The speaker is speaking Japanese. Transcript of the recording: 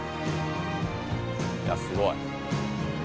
いやすごい。